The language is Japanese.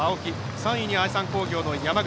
３位に愛三工業の山口。